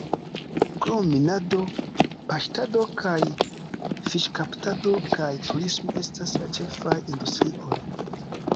Krom minado, paŝtado kaj fiŝkaptado kaj turismo estas la ĉefaj industrioj.